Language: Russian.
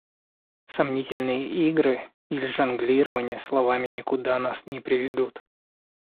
Сомнительные игры или жонглирование словами никуда нас не приведут.